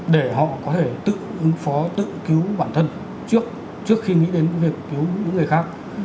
để họ có thể tự ứng phó tự cứu bản thân trước khi nghĩ đến việc cứu những người khác